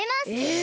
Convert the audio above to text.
え！